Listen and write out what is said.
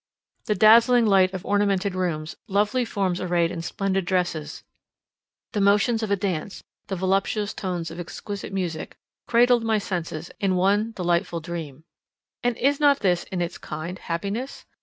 The dazzling light of ornamented rooms; lovely forms arrayed in splendid dresses; the motions of a dance, the voluptuous tones of exquisite music, cradled my senses in one delightful dream. And is not this in its kind happiness?